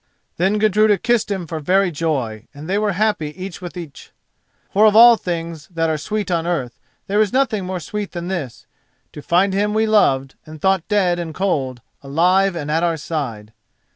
Then Gudruda kissed him for very joy, and they were happy each with each—for of all things that are sweet on earth, there is nothing more sweet than this: to find him we loved, and thought dead and cold, alive and at our side.